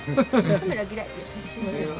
カメラ嫌い？